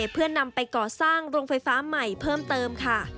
เพื่อนำไปก่อสร้างโรงไฟฟ้าใหม่เพิ่มเติมค่ะ